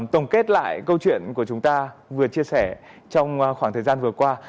tổng kết lại câu chuyện của chúng ta vừa chia sẻ trong khoảng thời gian vừa qua